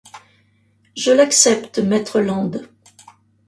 Je l’accepte, maître Land.